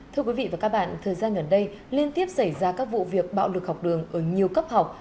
thưa quý vị và các bạn thời gian gần đây liên tiếp xảy ra các vụ việc bạo lực học đường ở nhiều cấp học